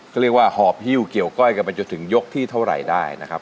ก็เรียกว่าหอบฮิ้วเกี่ยวก้อยกันไปจนถึงยกที่เท่าไหร่ได้นะครับ